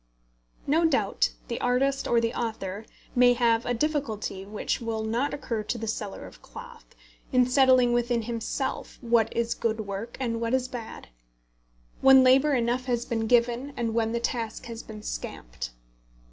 No doubt the artist or the author may have a difficulty which will not occur to the seller of cloth, in settling within himself what is good work and what is bad, when labour enough has been given, and when the task has been scamped.